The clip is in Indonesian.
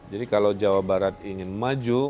jadi kalau jawa barat ingin maju